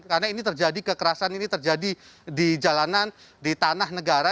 karena ini terjadi kekerasan ini terjadi di jalanan di tanah negara